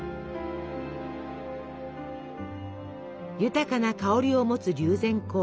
豊かな香りをもつ龍涎香。